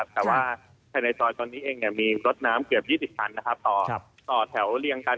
แต่ว่าภายในซอยตอนนี้เองมีรถน้ำเกือบ๒๐คันต่อแถวเรียงกัน